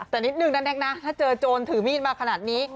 แต่นิดนึงนะแน็กนะถ้าเจอโจรถือมีดมาขนาดนี้